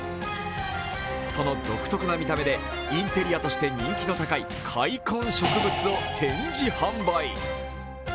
その独特な見た目でインテリアとして人気の高い塊根植物を展示販売。